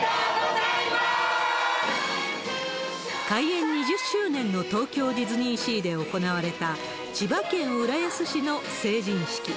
開園２０周年の東京ディズニーシーで行われた、千葉県浦安市の成人式。